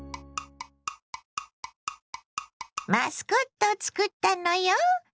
マスコットを作ったのよ。